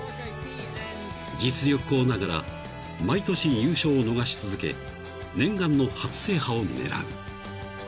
［実力校ながら毎年優勝を逃し続け念願の初制覇を狙う］